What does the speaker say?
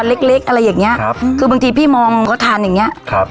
เล็กเล็กอะไรอย่างเงี้ยครับคือบางทีพี่มองเขาทันอย่างเงี้ครับ